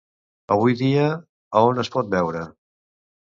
Avui dia, a on es pot veure?